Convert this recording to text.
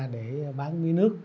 để bán mía nước